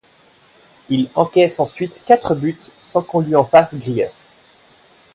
Il encaisse ensuite quatre buts sans qu'on lui en fasse grief.